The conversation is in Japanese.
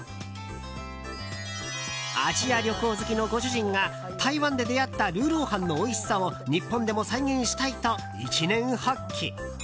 アジア旅行好きのご主人が台湾で出会ったルーロー飯のおいしさを日本でも再現したいと一念発起。